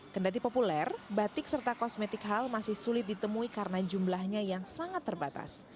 kendati populer batik serta kosmetik halal masih sulit ditemui karena jumlahnya yang sangat terbatas